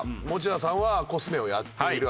田さんはコスメをやっている。